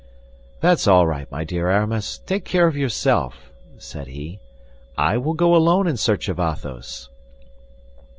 "That's all right, my dear Aramis, take care of yourself," said he; "I will go alone in search of Athos."